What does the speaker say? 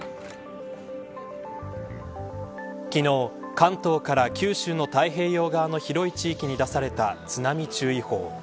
昨日、関東から九州の太平洋側の広い地域に出された津波注意報。